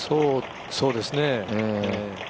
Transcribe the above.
そうですね。